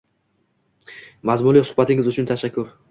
Mazmunli suhbatingiz uchun tashakkur!